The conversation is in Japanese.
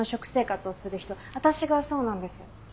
私がそうなんです。